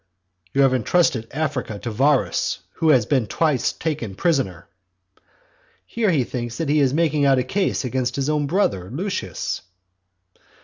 "You have entrusted Africa to Varus, who has been twice taken prisoner". Here he thinks that he is making out a case against his own brother Lucius.